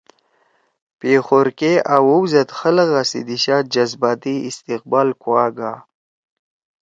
پیخور کے آوؤ زید خلَگا سی دیِشا جذباتی استقبال کُوآ گا